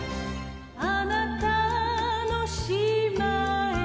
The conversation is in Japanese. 「あなたの島へ」